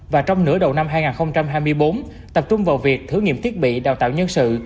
và trong nửa đầu năm hai nghìn hai mươi bốn tập trung vào việc thử nghiệm thiết bị đào tạo nhân sự